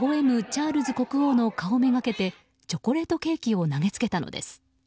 チャールズ国王の顔めがけてチョコレートケーキを投げつけたのです。